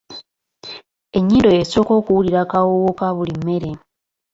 Ennyindo y'esooka okuwulira akawoowo ka buli mmere.